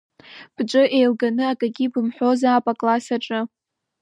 Бҿы еилганы акагьы бымҳәозаап акласс аҿы.